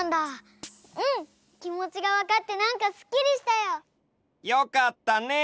うんきもちがわかってなんかすっきりしたよ！よかったね！